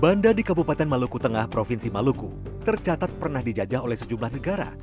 banda di kabupaten maluku tengah provinsi maluku tercatat pernah dijajah oleh sejumlah negara